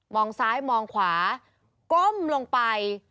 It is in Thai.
ซ้ายมองขวาก้มลงไป